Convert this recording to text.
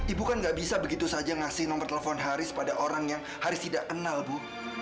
ibu kan gak bisa begitu saja ngasih nomor telepon haris pada orang yang haris tidak kenal bu